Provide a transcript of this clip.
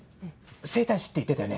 整体師って言ってたよね